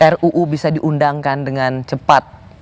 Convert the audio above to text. ruu bisa diundangkan dengan cepat